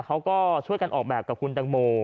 เขาก็ช่วยกันออกแบบกับคุณตังโม